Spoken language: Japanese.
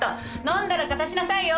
飲んだら片しなさいよ！